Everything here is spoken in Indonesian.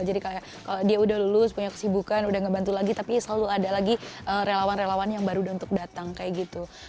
jadi kayak dia udah lulus punya kesibukan udah gak bantu lagi tapi selalu ada lagi relawan relawan yang baru udah untuk datang kayak gitu